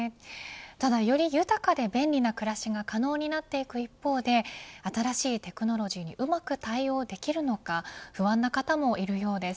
ただより豊かで便利な暮らしが可能になっていく一方で新しいテクノロジーにうまく対応できるのか不安な方もいるようです。